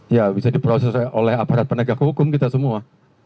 ya bisa diproses oleh aparat penegak hukum kita semua